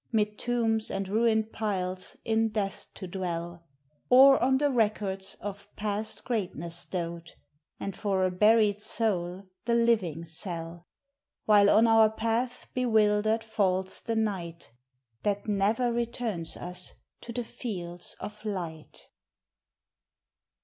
Mid tombs and ruined piles in death to dwell; Or on the records of past greatness dote, And for a buried soul the living sell; While on our path bewildered falls the night That ne'er returns us to the fields of light.